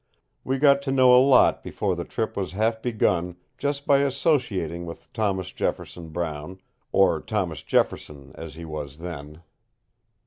We got to know a lot before the trip was half begun, just by associating with Thomas Jefferson Brown or Thomas Jefferson, as he was then.